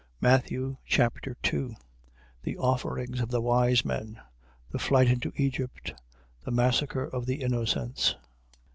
Matthew Chapter 2 The offerings of the wise men: the flight into Egypt: the massacre of the Innocents.